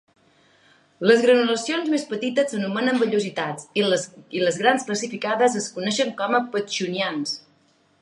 Les granulacions més petites s'anomenen "vellositats"; les grans calcificades es coneixen com a cossos pacchionians.